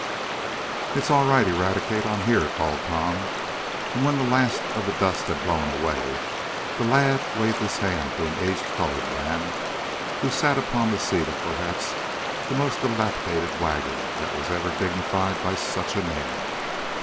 "It's all right, Eradicate. I'm here," called Tom, and when the last of the dust had blown away, the lad waved his hand to an aged colored man, who sat upon the seat of perhaps the most dilapidated wagon that was ever dignified by such a name.